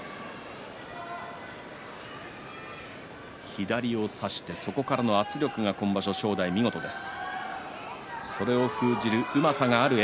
左を差してそこからの圧力が今場所、正代、見事です。